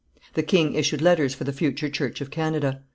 The king issued letters for the future church of Canada.